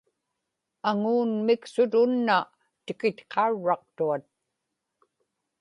aŋuunmiksut unna tikitqaurraqtuat